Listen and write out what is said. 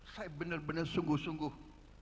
saya benar benar sungguh sungguh